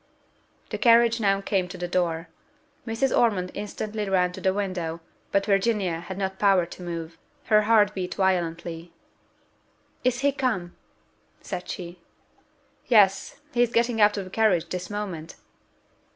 The carriage now came to the door: Mrs. Ormond instantly ran to the window, but Virginia had not power to move her heart beat violently. "Is he come?" said she. "Yes, he is getting out of the carriage this moment!"